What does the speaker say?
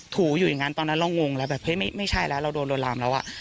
ถูอยู่อย่างนั้นตอนนั้นเรางงแล้วแบบเฮ้ยไม่ใช่แล้วเราโดนลวนลามแล้วอ่ะ